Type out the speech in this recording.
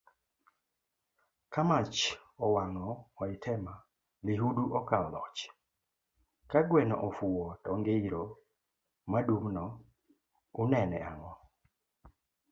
Ka mach owango oitema lihudu okao loch, kagweno ofuwo tongeiro madum no, unene ango?